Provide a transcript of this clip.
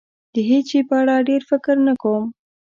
د هېڅ شي په اړه ډېر فکر نه کوم.